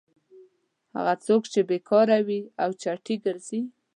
هغه څوک چې بېکاره وي او چټي ګرځي.